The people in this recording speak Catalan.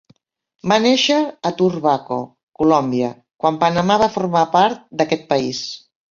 Va néixer a Turbaco, Colòmbia, quan Panamà va formar part d'aquest país.